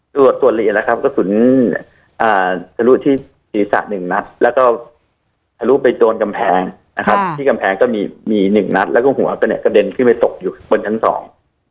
ตรวจส่วนละเอียดนะครับกระสุนอ่าทะลุที่ศีรษะหนึ่งนัดแล้วก็ทะลุไปโดนกำแพงนะครับที่กำแพงก็มีมีหนึ่งนัดแล้วก็หัวก็เนี่ยกระเด็นขึ้นไปตกอยู่บนชั้นสอง